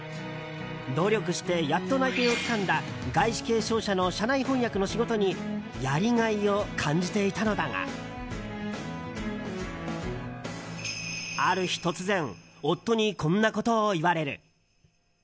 努力して、やっと内定をつかんだ外資系商社の社内翻訳の仕事にやりがいを感じていたのだがある日、突然夫にこんなことを言われる。